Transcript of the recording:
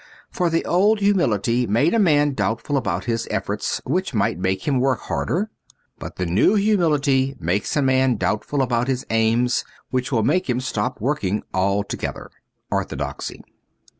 For the old humility made a man doubtful about his efforts, which might make him work harder. But the new humility makes a man doubtful about his aims, which will make him stop working altogether. ' Orthodoxy.